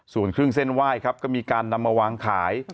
ส่วนเครื่องเส้นไหว้ครับก็มีการนำมาวางขาย